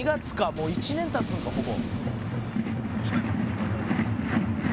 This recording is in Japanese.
もう１年経つんかほぼ」